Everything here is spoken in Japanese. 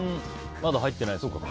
まだ入ってないか。